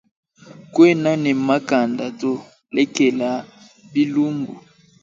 Kuena ne makanda to lekela bilumbu.